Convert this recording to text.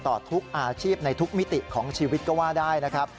ต่อทุกอาชีพในทุกมิติของชีวิตก็ว่าได้นะครับ